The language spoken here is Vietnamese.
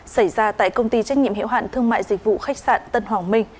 xảy ra tại công ty trách nhiệm hiệu hạn thương mại dịch vụ khách sạn tân hoàng minh